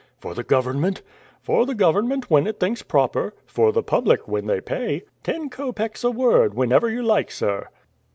"For the government?" "For the government, when it thinks proper. For the public, when they pay. Ten copecks a word, whenever you like, sir!"